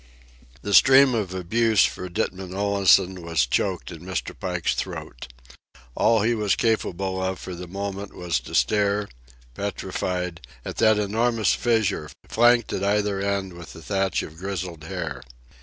The stream of abuse for Ditman Olansen was choked in Mr. Pike's throat. All he was capable of for the moment was to stare, petrified, at that enormous fissure flanked at either end with a thatch of grizzled hair.